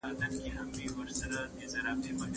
زه او ټوله نړۍ پوهېږي..